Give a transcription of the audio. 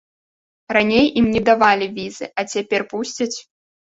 Раней ім не давалі візы, а цяпер пусцяць?